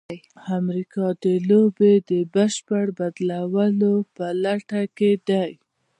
امریکا د لوبې د بشپړ بدلولو په لټه کې ده.